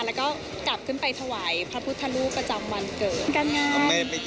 แล้วก็กลับขึ้นไปถวายพระพุทธรูปประจำวันเกิดการงาน